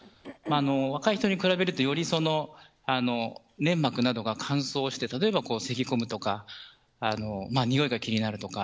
若い人に比べるとより粘膜などが乾燥して例えば、せき込むとか臭いが気になるとか。